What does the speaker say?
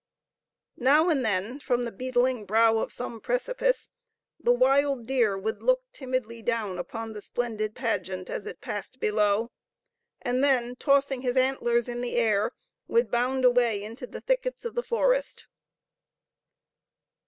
Now and then, from the beetling brow of some precipice, the wild deer would look timidly down upon the splendid pageant as it passed below, and then, tossing his antlers in the air, would bound away into the thickets of the forest.